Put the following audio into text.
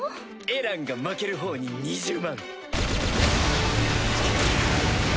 エランが負ける方に２０万。